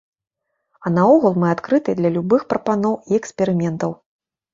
А наогул, мы адкрытыя для любых прапаноў і эксперыментаў!